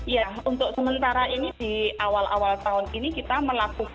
ya untuk sementara ini di awal awal tahun ini kita melakukan